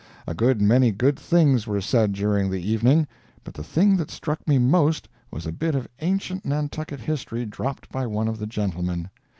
A good many good things were said during the evening, but the thing that struck me most was a bit of ancient Nantucket history dropped by one of the gentlemen.